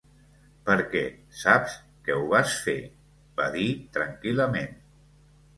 "Per què, saps que ho vas fer", va dir tranquil·lament.